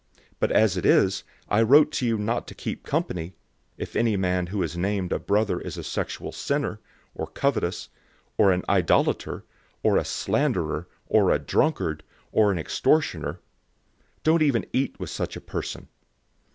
005:011 But as it is, I wrote to you not to associate with anyone who is called a brother who is a sexual sinner, or covetous, or an idolater, or a slanderer, or a drunkard, or an extortioner. Don't even eat with such a person.